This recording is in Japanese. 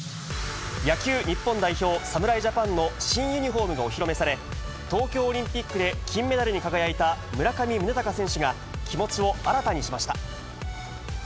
野球日本代表、侍ジャパンの新ユニホームがお披露目され、東京オリンピックで金メダルに輝いた村上宗隆選手が気持ちを新たにしました。